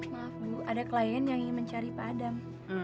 maaf bu ada klien yang ingin mencari pak adam